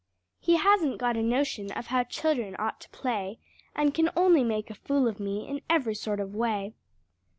He hasn't got a notion of how children ought to play, And can only make a fool of me in every sort of way.